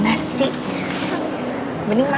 nenek pergi dulu ya